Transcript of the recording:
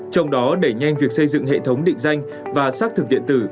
trong đó đẩy nhanh việc xây dựng hệ thống định danh và xác thực điện tử